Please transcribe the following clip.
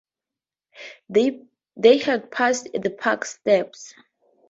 They had passed the Park steps.